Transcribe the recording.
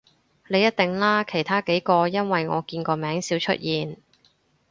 你一定啦，其他幾個因爲我見個名少出現